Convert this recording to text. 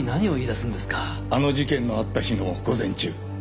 あの事件のあった日の午前中